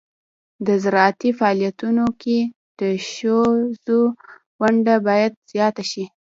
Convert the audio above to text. د زراعتي فعالیتونو کې د ښځو ونډه باید زیاته شي.